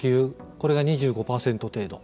これが２５％程度。